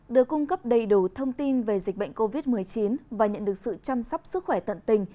được cung cấp đầy đủ thông tin về dịch bệnh covid một mươi chín và nhận được sự chăm sóc sức khỏe tận tình